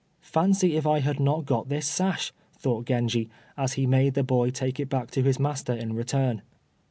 "Fancy if I had not got this sash?" thought Genji, as he made the boy take it back to his master in return.